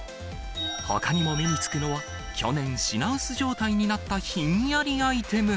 ほかにも目につくのは、去年品薄状態になったひんやりアイテム。